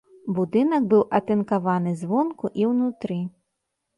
Будынак быў атынкаваны звонку і ўнутры.